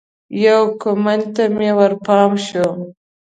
یو کمنټ ته مې ورپام شو